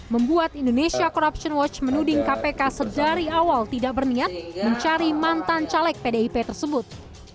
membuat indonesia corruption watch menuding kpk sedari awal tidak berniat mencari mantan caleg pdip tersebut